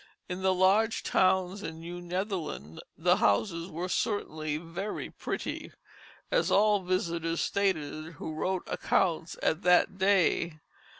In the large towns in New Netherland the houses were certainly very pretty, as all visitors stated who wrote accounts at that day.